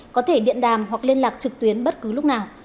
có thể điện đàm hoặc liên lạc trực tuyến bất cứ lúc nào